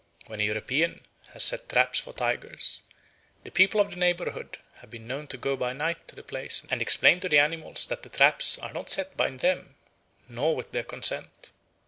When a European has set traps for tigers, the people of the neighbourhood have been known to go by night to the place and explain to the animals that the traps are not set by them nor with their consent.